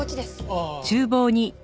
ああ。